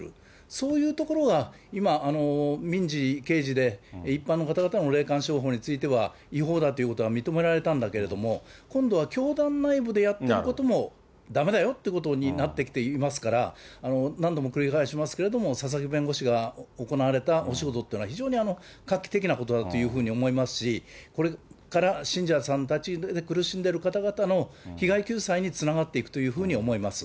そういうところが、今、民事、刑事で、一般の方々の霊感商法については、違法だということは認められたんだけれども、今度は教団内部でやってることもだめだよということになってきていますから、何度も繰り返しますけれども、佐々木弁護士が行われたお仕事というのは、非常に画期的なことだというふうに思いますし、これから信者さんたち、苦しんでいる方々の被害救済につながっていくというふうに思います。